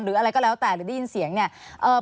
อะไรก็แล้วแต่หรือได้ยินเสียงเนี่ย